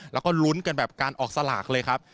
แล้วก็ลุ้นกันแบบการออกสลากเลยครับ